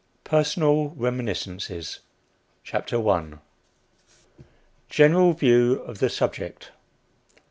PERSONAL REMINISCENCES. CHAPTER I. GENERAL VIEW OF THE SUBJECT.